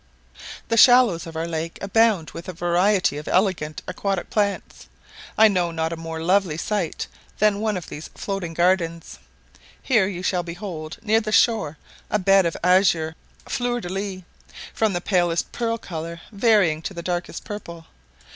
The shallows of our lakes abound with a variety of elegant aquatic plants: I know not a more lovely sight than one of these floating gardens. Here you shall behold near the shore a bed of azure fleur de lis, from the palest pearl colour varying to the darkest purple.